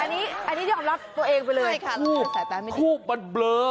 อันนี้ยอมรับตัวเองไปเลยทูปมันเบลอ